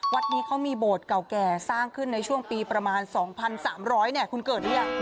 วัดนี้เขามีโบสถ์เก่าแก่สร้างขึ้นในช่วงปีประมาณ๒๓๐๐เนี่ยคุณเกิดหรือยัง